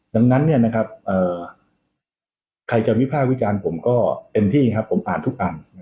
ดังนั้นใครจะวิภาควิจารณ์ผมก็เต็มที่ครับผมอ่านทุกอัน